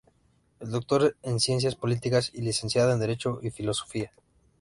Es doctor en Ciencias Políticas, y licenciado en Derecho y Filosofía.